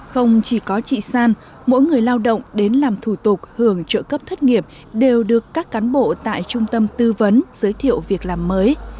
không chỉ có chị san mỗi người lao động đến làm thủ tục hưởng trợ cấp thất nghiệp đều được các cán bộ tại trung tâm tư vấn giới thiệu việc làm mới